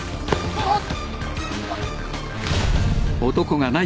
あっ。